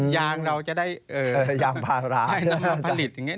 ยางเราจะได้ให้มาผลิตอย่างนี้